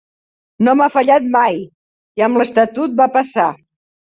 No m’ha fallat mai, i amb l’estatut va passar.